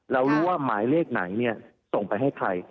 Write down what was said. เรารู้ว่าหมายเลขไหนส่งไปให้ใคร